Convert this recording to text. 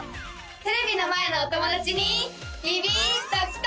テレビの前のお友達にビビッとキタ！